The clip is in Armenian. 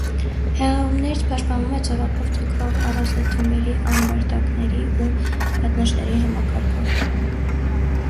Հեղեղումներից պաշտպանվում է ծովափով ձգվող ավազաթմբերի, ամբարտակների ու պատնեշների համակարգով։